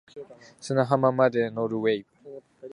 砂浜まで乗る wave